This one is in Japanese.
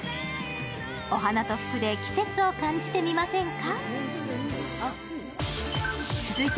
お花と服で季節を感じてみませんか？